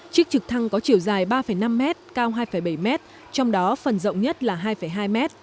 chiếc trực thăng có chiều dài ba năm m cao hai bảy m trong đó phần rộng nhất là hai hai m